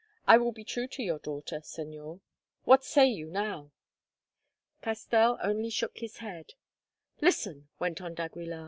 I will be true to your daughter, Señor. What say you now?" Castell only shook his head. "Listen," went on d'Aguilar.